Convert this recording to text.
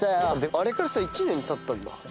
あれからさ１年経ったんだ。